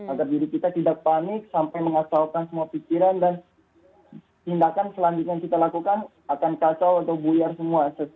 agar diri kita tidak panik sampai mengasalkan semua pikiran dan tindakan selanjutnya yang kita lakukan akan kacau atau buyar semua